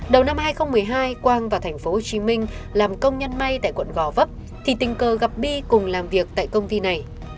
đầu năm hai nghìn một mươi hai quang vào thành phố hồ chí minh làm công nhân may tại quận gò vấp thì tình cờ gặp bi cùng làm việc tại công ty này